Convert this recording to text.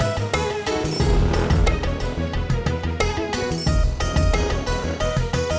kang cecep sama tamunya udah pergi